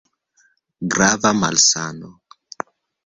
Grava malsano!